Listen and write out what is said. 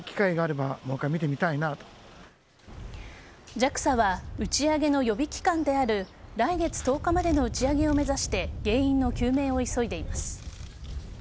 ＪＡＸＡは打ち上げの予備期間である来月１０日までの打ち上げを目指して原因の究明を急いでいます。